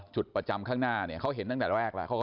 จุดประจำข้างหน้าเนี่ยเขาเห็นตั้งแต่แรกแล้ว